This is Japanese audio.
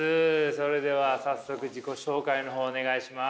それでは早速自己紹介の方お願いします。